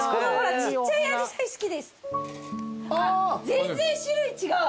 全然種類違う。